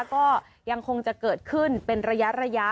ก็ยังคงจะเกิดขึ้นเป็นระยะ